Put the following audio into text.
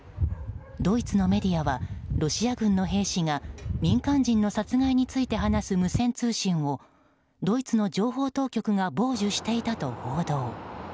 ドイツのメディアはロシア軍の兵士が民間人の殺害について話す無線通信をドイツの情報当局が傍受していたと報道。